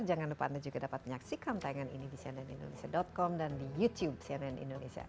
jangan lupa anda juga dapat menyaksikan tayangan ini di cnnindonesia com dan di youtube cnn indonesia